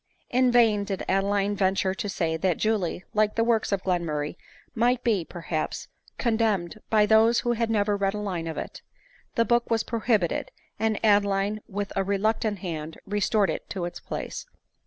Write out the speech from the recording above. In vain did Adeline venture to say that Julie, like the works of Glenmurray, might be, perhaps, condemned by those who had never read a line of it. The book was prohibited ; and Adeline, with a reluctant hand, restored it to its place.